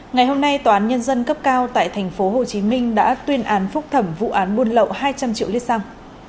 ngày hôm nay tòa án nhân dân cấp cao tại tp hcm đã tuyên án phúc thẩm vụ án buôn lậu hai trăm linh triệu lít xăng